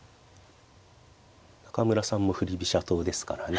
中村さんも振り飛車党ですからね。